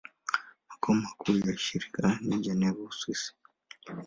Makao makuu ya shirika ni Geneva, Uswisi.